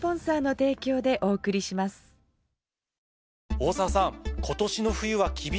大沢さん。